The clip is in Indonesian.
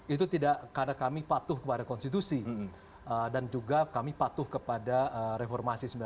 itu tidak karena kami patuh kepada konstitusi dan juga kami patuh kepada reformasi sembilan puluh delapan